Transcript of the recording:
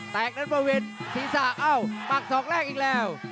แตกด้านบนเว้นศีรษะอ้าวมักศอกแรกอีกแล้ว